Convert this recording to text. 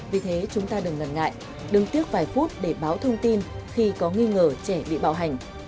vì thế chúng ta đừng ngần ngại đừng tiếc vài phút để báo thông tin khi có nghi ngờ trẻ bị bạo hành